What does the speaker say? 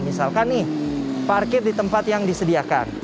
misalkan nih parkir di tempat yang disediakan